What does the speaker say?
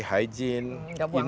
hijin indah enak